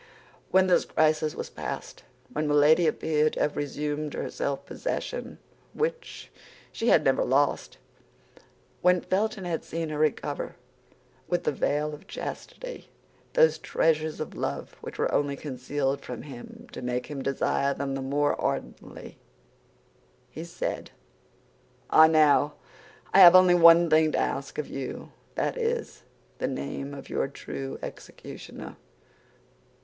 When this crisis was past, when Milady appeared to have resumed her self possession, which she had never lost; when Felton had seen her recover with the veil of chastity those treasures of love which were only concealed from him to make him desire them the more ardently, he said, "Ah, now! I have only one thing to ask of you; that is, the name of your true executioner.